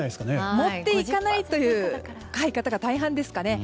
持っていかないという方が大半ですかね。